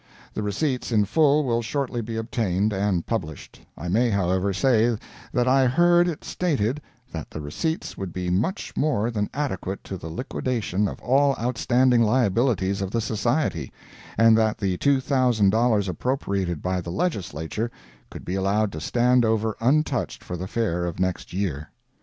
The receipts in full will shortly be obtained and published; I may, however, say that I heard it stated that the receipts would be much more than adequate to the liquidation of all outstanding liabilities of the Society, and that the $2,000 appropriated by the Legislature could be allowed to stand over untouched for the Fair of next year.